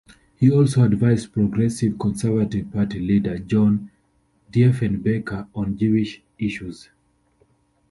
He also advised Progressive Conservative Party leader John Diefenbaker on Jewish issues.